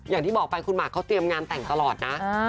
อย่างที่บอกไปคุณหมากเขาเตรียมงานแต่งตลอดนะ